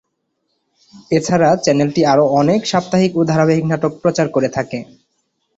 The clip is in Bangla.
এছাড়া চ্যানেলটি আরো অনেক সাপ্তাহিক ও ধারাবাহিক নাটক প্রচার করে থাকে।